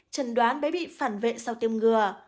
chẩn đoán bé bị phản vệ sau tiêm ngừa